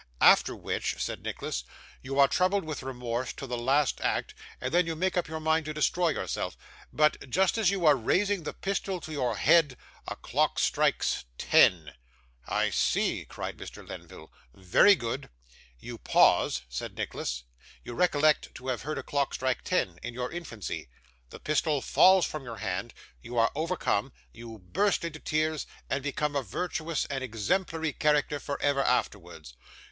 'After which,' said Nicholas, 'you are troubled with remorse till the last act, and then you make up your mind to destroy yourself. But, just as you are raising the pistol to your head, a clock strikes ten.' 'I see,' cried Mr. Lenville. 'Very good.' 'You pause,' said Nicholas; 'you recollect to have heard a clock strike ten in your infancy. The pistol falls from your hand you are overcome you burst into tears, and become a virtuous and exemplary character for ever afterwards.